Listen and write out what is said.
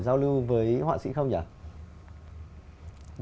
giao lưu với họa sĩ không nhỉ